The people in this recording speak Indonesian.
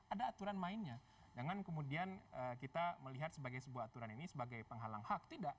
ada aturan mainnya jangan kemudian kita melihat sebagai sebuah aturan ini sebagai penghalang hak